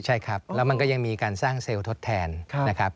ใช่ครับแล้วมันก็ยังมีการสร้างเซลล์ทดแทนนะครับ